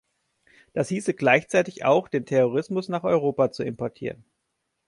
Das hieße gleichzeitig auch, den Terrorismus nach Europa zu importieren.